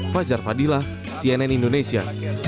fajar fadilah cnn indonesia